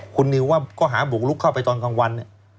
คุณนิวว่าก็หาบุกลุกเข้าไปตอนกลางวันเนี่ย